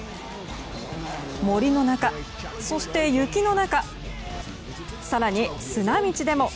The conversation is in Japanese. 森の中、そして雪の中更に砂道でも。